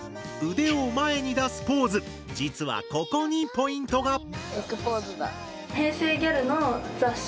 腕を前に出すポーズ実はここにポイントが！